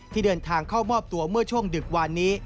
ที่เดินทางเข้ามอบตัวเมื่อช่วงดึกวานนี้